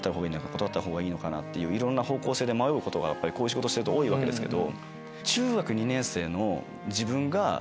断ったほうがいいのかな？っていういろんな方向性で迷うことがこういう仕事してると多いわけですけど。